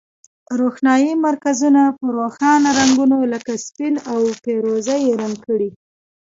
روغتیایي مرکزونه په روښانه رنګونو لکه سپین او پیروزه یي رنګ کړئ.